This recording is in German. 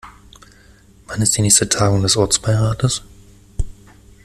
Wann ist die nächste Tagung des Ortsbeirates?